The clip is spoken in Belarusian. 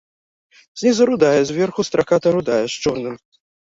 Знізу рудая, зверху страката рудая з чорным.